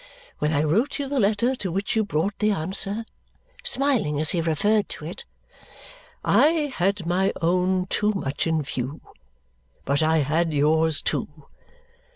When I wrote you the letter to which you brought the answer," smiling as he referred to it, "I had my own too much in view; but I had yours too.